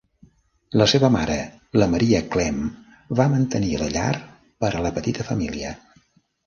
La seva mare, la Maria Clemm, va mantenir la llar per a la petita família.